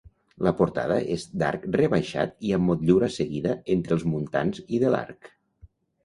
La portada és d'arc rebaixat i amb motllura seguida entre els muntants i de l'arc.